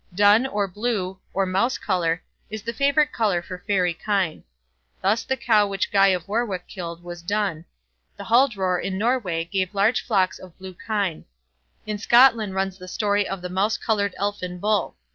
Dun, or blue, or mouse colour, is the favourite colour for fairy kine. Thus the cow which Guy of Warwick killed was dun. The Huldror in Norway have large flocks of blue kine. In Scotland runs the story of the mouse coloured Elfin Bull.